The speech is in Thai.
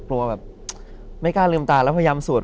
แบบไม่กล้าลืมตาแล้วพยายามสวด